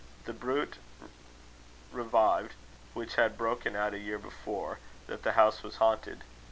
The bruit revived, which had broken out a year before that the house was haunted.